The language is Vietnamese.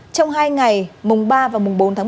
trong hai ngày mùng ba và mùng bốn tháng năm